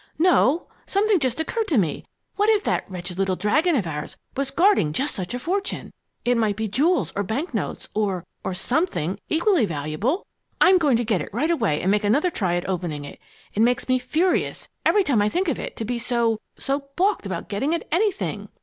"No something just occurred to me. What if that wretched little dragon of ours was guarding just such a fortune? It might be jewels or bank notes or or something equally valuable! I'm going to get it right away and make another try at opening it. It makes me furious, every time I think of it, to be so so balked about getting at anything!"